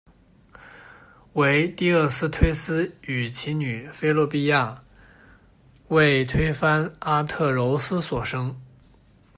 为堤厄斯忒斯与其女菲洛庇亚为推翻阿特柔斯所生。